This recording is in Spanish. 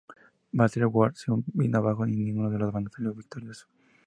Battleworld se vino abajo y ninguno de los bandos salió victorioso.